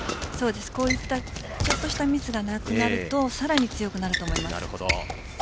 こういったミスがなくなるとさらに強くなると思います。